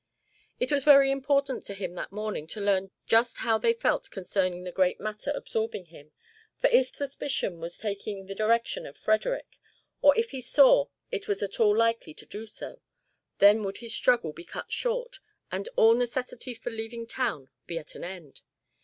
It was very important to him that morning to learn just how they felt concerning the great matter absorbing him, for if suspicion was taking the direction of Frederick, or if he saw it was at all likely to do so, then would his struggle be cut short and all necessity for leaving town be at an end.